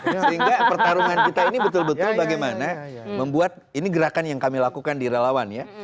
sehingga pertarungan kita ini betul betul bagaimana membuat ini gerakan yang kami lakukan di relawan ya